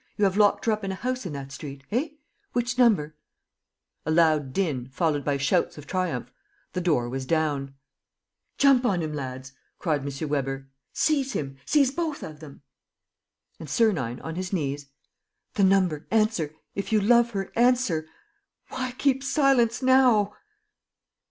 You have locked her up in a house in that street ... eh? Which number?" A loud din ... followed by shouts of triumph. ... The door was down. "Jump on him, lads!" cried M. Weber. "Seize him ... seize both of them!" And Sernine, on his knees: "The number ... answer. ... If you love her, answer. ... Why keep silence now?"